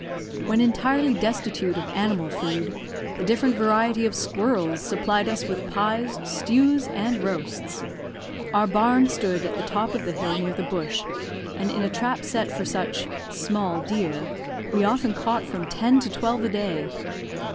When entirely destitute of animal food, the different variety of squirrels supplied us with pies, stews, and roasts. Our barn stood at the top of the hill near the bush, and in a trap set for such "small deer," we often caught from ten to twelve a day.